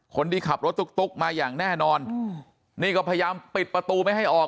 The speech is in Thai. คนที่ขับรถตุ๊กมาอย่างแน่นอนนี่ก็พยายามปิดประตูไม่ให้ออก